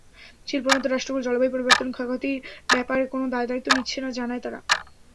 শিল্পোন্নত রাষ্ট্রগুলো জলবায়ু পরিবর্তনের ক্ষয়ক্ষতির ব্যাপারে কোনো দায়-দায়িত্ব নিচ্ছে না, জানায় তারা।